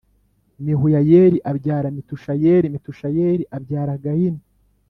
Mehuyayeli abyara Metushayeli Metushayeli abyara gahini